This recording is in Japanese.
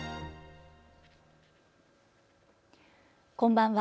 こんばんは。